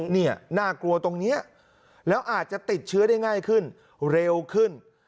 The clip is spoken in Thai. นี่น่ากลัวตรงนี้แล้วอาจจะติดเชื้อได้ง่ายขึ้นเร็วขึ้น